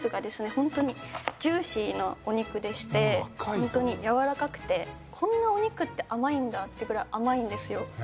ホントにジューシーなお肉でしてホントに柔らかくてこんなお肉って甘いんだっていうくらい甘いんですよ。